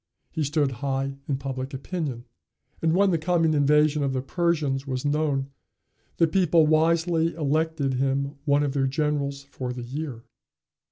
He stood high in public opinion. And when the coming invasion of the Persians was known, the people wisely elected him one of their generals for the year.